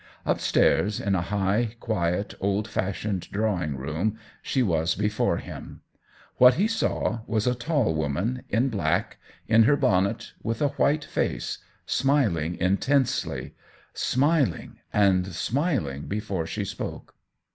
Up stairs, in a high, quiet, old fashioned drawing room, she was before him. What he saw was a tall woman in black, in her bonnet, with a white face, smiling intensely —smiling and smiling before she spoke.